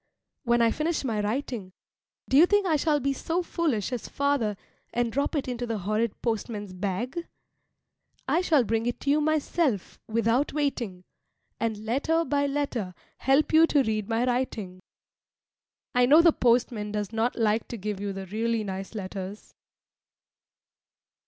When I finish my writing, do you think I shall be so foolish as father and drop it into the horrid postman's bag? I shall bring it to you myself without waiting, and letter by letter help you to read my writing. I know the postman does not like to give you the really nice letters.